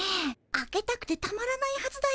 開けたくてたまらないはずだよ。